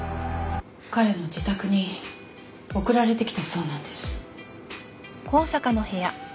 彼の自宅に送られてきたそうなんです。